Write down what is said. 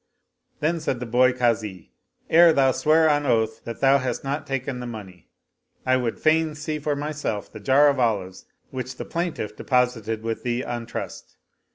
Then said the boy Kazi, " Ere thou swear on oath that thou hast not taken the money, I would fain see for myself the jar of olives which the plaintiff deposited with thee on trust."